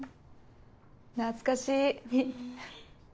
懐かしい。